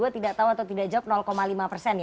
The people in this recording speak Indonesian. tidak tahu atau tidak jawab lima persen ya